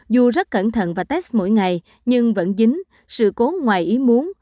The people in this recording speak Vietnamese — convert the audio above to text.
dù rất cẩn thận và test mỗi ngày nhưng vẫn dính sự cố ngoài ý muốn